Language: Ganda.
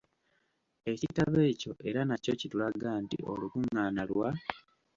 Ekitabo ekyo era nakyo kitulaga nti olukungaana lwa